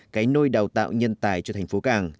cái nôi đào tạo nhân tài cho thành phố cảng